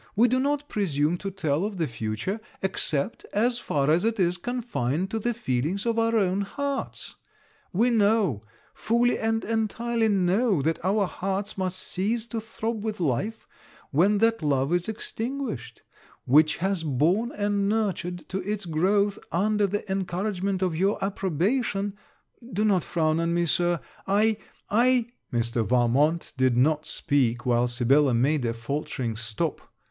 We do not presume to tell of the future, except as far as it is confined to the feelings of our own hearts. We know, fully and entirely know, that our hearts must cease to throb with life, when that love is extinguished, which was born and nurtured to its growth, under the encouragement of your approbation do not frown on me, Sir, I I ' Mr. Valmont did not speak while Sibella made a faultering stop.